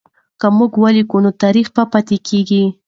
که موږ ولیکو نو تاریخ پاتې کېږي.